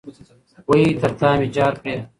وئ ! تر تامي جار کړې